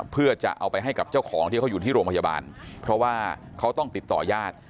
เพื่อจะเอาไปให้กับเจ้าของที่เขาอยู่ที่โรงพยาบาลเพราะว่าเขาต้องติดต่อญาติ